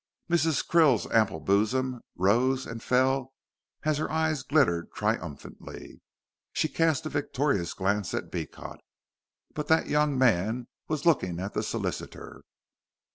Mrs. Krill's ample bosom rose and fell and her eyes glittered triumphantly. She cast a victorious glance at Beecot. But that young man was looking at the solicitor.